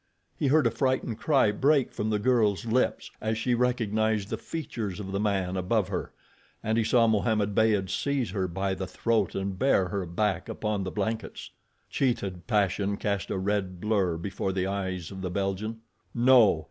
He heard a frightened cry break from the girl's lips as she recognized the features of the man above her, and he saw Mohammed Beyd seize her by the throat and bear her back upon the blankets. Cheated passion cast a red blur before the eyes of the Belgian. No!